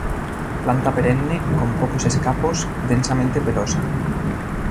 Planta perenne, con pocos escapos, densamente pelosa.